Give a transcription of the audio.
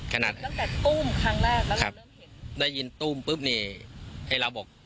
ขนาดตั้งแต่ตุ้มครั้งแรกแล้วเราเริ่มเห็นได้ยินตุ้มปุ๊บนี่ให้เราบอก